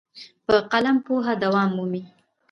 په قلم پوهه دوام مومي.